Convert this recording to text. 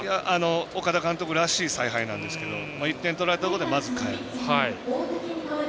岡田監督らしい采配なんですけど１点取られたところでまず代える。